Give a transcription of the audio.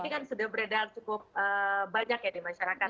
ini kan sudah beredar cukup banyak ya di masyarakat